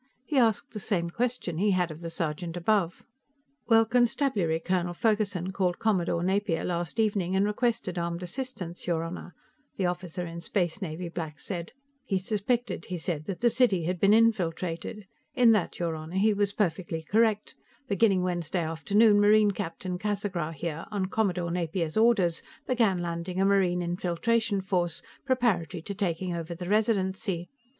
He asked the same question he had of the sergeant above. "Well, Constabulary Colonel Ferguson called Commodore Napier last evening and requested armed assistance, your Honor," the officer in Space Navy black said. "He suspected, he said, that the city had been infiltrated. In that, your Honor, he was perfectly correct; beginning Wednesday afternoon, Marine Captain Casagra, here, on Commodore Napier's orders, began landing a Marine infiltration force, preparatory to taking over the Residency.